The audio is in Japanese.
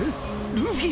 ルフィ？